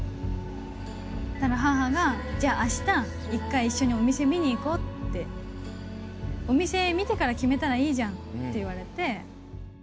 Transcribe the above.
そしたら、母が、じゃあ、あした、一回一緒にお店見に行こうって、お店見てから決めたらいいじゃんって言われて。